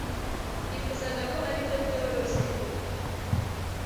Nifuzaga ko aribyo byoroshye